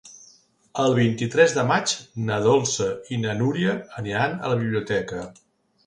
El vint-i-tres de maig na Dolça i na Núria aniran a la biblioteca.